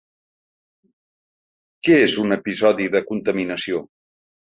Què és un episodi de contaminació?